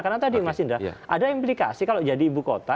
karena tadi mas indra ada implikasi kalau jadi ibu kota